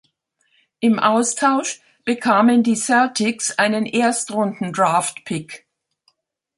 Im Austausch bekamen die Celtics einen Erstrundendraftpick.